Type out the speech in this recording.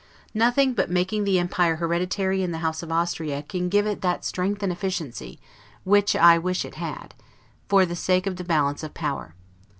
Nothing but making the empire hereditary in the House of Austria, can give it that strength and efficiency, which I wish it had, for the sake of the balance of power.